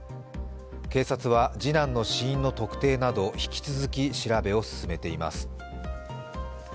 警察は次男の死因の特定など引き続き調べを進めています。